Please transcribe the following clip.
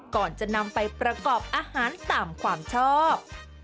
ก่อนจะนำไปประกอบอาหารตามความชอบ